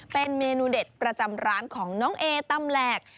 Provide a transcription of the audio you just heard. เป็นเมนูเด็ดประจำร้านของน้องเอตำแหลก